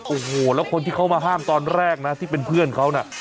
โอ้โหแล้วคนที่เขามาห้ามตอนแรกนะที่เป็นเพื่อนเขาน่ะ